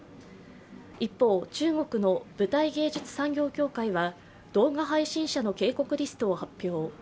一方、中国の舞台芸術産業協会は動画配信者の警告リストを発表。